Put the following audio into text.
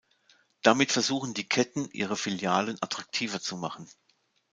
Damit versuchen die Ketten, ihre Filialen attraktiver zu machen.